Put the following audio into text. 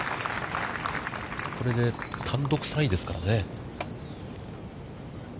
これで単独３位ですからね。